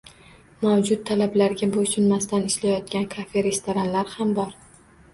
Mavjud talablarga boʻysunmasdan ishlayotgan kafe-restoranlar ham bor.